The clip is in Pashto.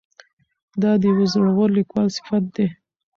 دا د یوه زړور لیکوال صفت دی.